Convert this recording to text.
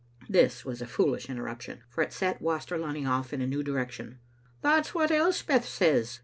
This was a foolish interruption, for it set Wastex Lunny off in a new direction. "That's what Elspetb says.